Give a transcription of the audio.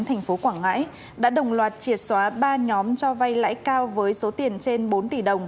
thành phố quảng ngãi đã đồng loạt triệt xóa ba nhóm cho vay lãi cao với số tiền trên bốn tỷ đồng